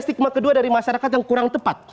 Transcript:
stigma kedua dari masyarakat yang kurang tepat